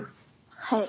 はい。